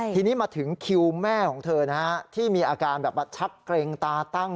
ทีนี้มาถึงคิวแม่ของเธอนะฮะที่มีอาการแบบว่าชักเกร็งตาตั้ง